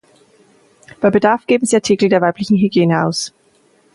Bei Bedarf geben sie Artikel der weiblichen Hygiene aus.